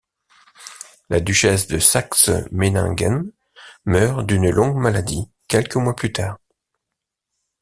La duchesse de Saxe-Meiningen meurt d'une longue maladie quelques mois plus tard.